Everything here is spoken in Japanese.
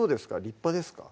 立派ですか？